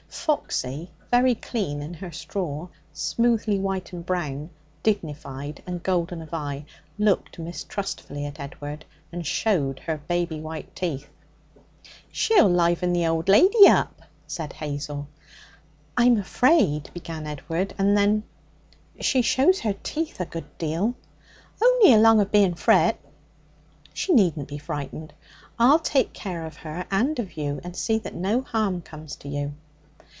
Foxy very clean in her straw, smoothly white and brown, dignified, and golden of eye looked mistrustfully at Edward and showed her baby white teeth. 'She'll liven the old lady up,' said Hazel. 'I'm afraid ' began Edward; and then 'she shows her teeth a good deal.' 'Only along of being frit.' 'She needn't be frightened. I'll take care of her and of you, and see that no harm comes to you.'